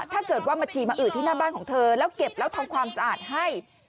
ถ้าเกิดว่ามาฉี่มาอืดที่หน้าบ้านของเธอแล้วเก็บแล้วทำความสะอาดให้